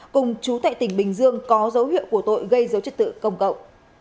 cùng chú thệ tỉnh bình dương có dấu hiệu của tội gây dấu chất tự công cậu